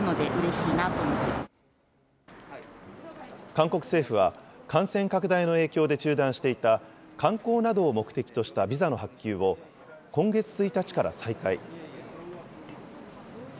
韓国政府は、感染拡大の影響で中断していた観光などを目的としたビザの発給を、今月１日から再開。